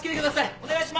お願いします！